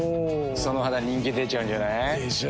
その肌人気出ちゃうんじゃない？でしょう。